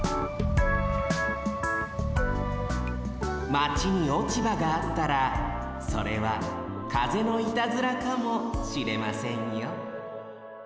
マチに落ち葉があったらそれは風のいたずらかもしれませんよ